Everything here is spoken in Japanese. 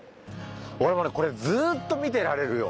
俺もうねこれずっと見てられるよ